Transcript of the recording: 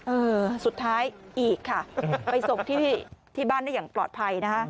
เออสุดท้ายอีกค่ะไปส่งที่บ้านได้อย่างปลอดภัยนะคะ